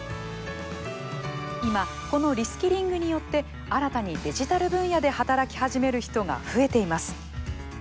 今、このリスキリングによって新たにデジタル分野で働き始める人が増えています。